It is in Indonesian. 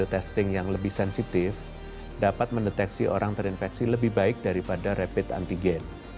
testing yang lebih sensitif dapat mendeteksi orang terinfeksi lebih baik daripada rapid antigen